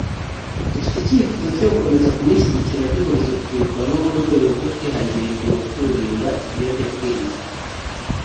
dufite icyifuzo cyo gukomeza kumushyigikira duhuriza urubyiruko hamwe mu rwego rwo kwihangira imirimo tururinda ibiyobyabwenge